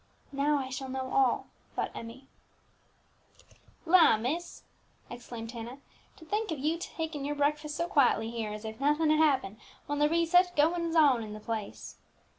"Now I shall know all," thought Emmie. "La, miss!" exclaimed Hannah, "to think of you taking your breakfast so quietly here, as if nothing had happened, when there be such goings on in the place!"